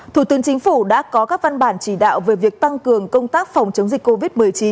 thủ tướng chính phủ đã có các văn bản chỉ đạo về việc tăng cường công tác phòng chống dịch covid một mươi chín